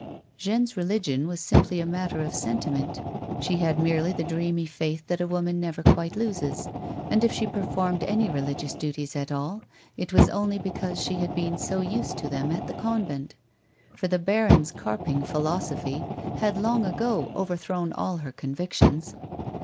Jeanne's religion was simply a matter of sentiment ; she had merely the dreamy faith that a woman never quite loses, and if she performed any religious duties at all it was only because she had been so used to them at the convent, for the baron's carping philosophy had long ago overthrown all her convictions.